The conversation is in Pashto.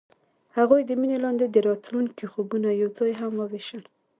هغوی د مینه لاندې د راتلونکي خوبونه یوځای هم وویشل.